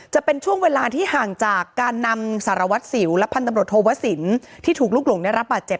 จะเป็นช่วงเวลาที่ห่างจากการนำสารวัตรสิวและพันตำรวจโทวสินที่ถูกลุกหลงได้รับบาดเจ็บ